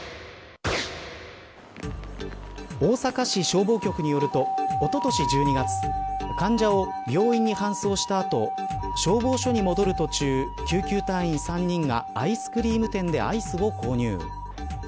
大阪市消防局によるとおととし１２月患者を病院に搬送した後消防署に戻る途中救急隊員３人がアイスクリーム店でアイスを購入。